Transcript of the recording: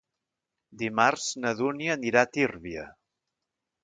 Dimarts na Dúnia anirà a Tírvia.